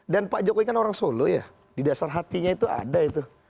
dan pak jokowi kan orang solo ya di dasar hatinya itu ada itu